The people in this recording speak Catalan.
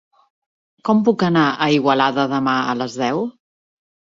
Com puc anar a Igualada demà a les deu?